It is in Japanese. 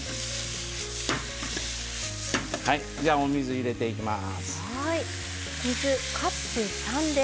お水を入れていきます。